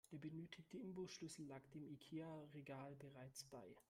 Der benötigte Imbusschlüssel lag dem Ikea-Regal bereits bei.